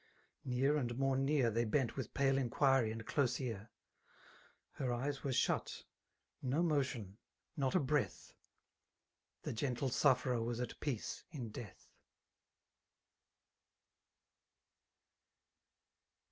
Near and more Bear They bent with pale inquiry and dose ear;— . Her eyes were shut^ no motion— not a breath— The gentle sufferer was at peace in death.